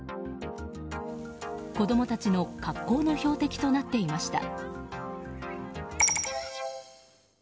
子供たちの格好の標的となっていました。